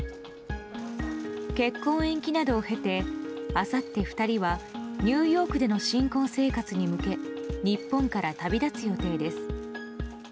結婚延期などを経て明後日、２人はニューヨークでの新婚生活に向け日本から旅立つ予定です。